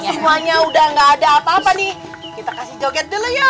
semuanya udah gak ada apa apa nih kita kasih joget dulu ya